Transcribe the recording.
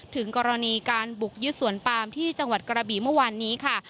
ถึงกรณีการบุกยึดสวนปามที่จังหวัดกระบี่เมื่อวานนี้ค่ะ